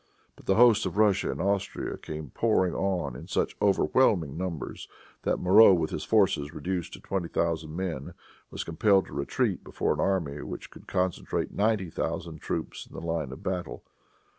But the hosts of Russia and Austria came pouring on in such overwhelming numbers, that Moreau, with his forces reduced to twenty thousand men, was compelled to retreat before an army which could concentrate ninety thousand troops in line of battle.